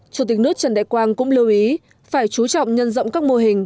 chủ tịch nước trần đại quang cũng lưu ý phải chú trọng nhân rộng các mô hình